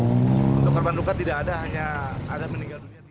untuk korban luka tidak ada hanya ada meninggal dunia